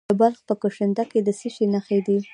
د بلخ په کشنده کې د څه شي نښې دي؟